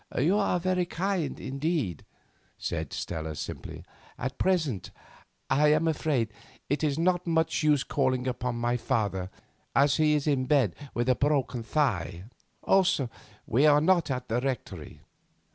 "You are very kind indeed," said Stella simply. "At present, I am afraid, it is not much use calling upon my father, as he is in bed with a broken thigh; also, we are not at the Rectory.